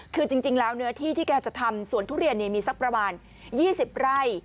คือจริงแล้วเนื้อที่ที่แกจะทำสวนทุเรียนมีสักประมาณ๒๐ไร่